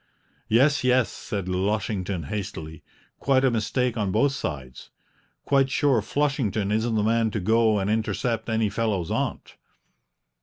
"Yes, yes," said Lushington hastily, "quite a mistake on both sides. Quite sure Flushington isn't the man to go and intercept any fellow's aunt."